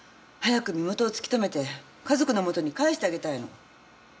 早く身元を突き止めて家族のもとに帰してあげたいの。